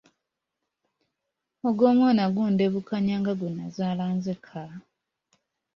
Ogw’omwana gundebukanya nga gwe nnazaala nzekka?